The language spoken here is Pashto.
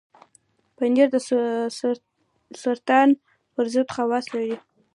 پنېر د سرطان پر ضد خواص لري.